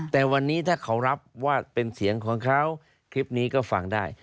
แต่วันนี้ถ้าเขารับว่าเป็นเสียงของเขาคลิปนี้ก็ฟังได้